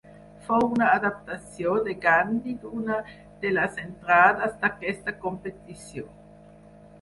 Fou una adaptació de Gandhi d'una de les entrades d'aquesta competició.